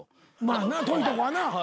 まあな遠いとこはな。